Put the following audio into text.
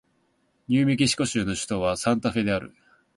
ニューメキシコ州の州都はサンタフェである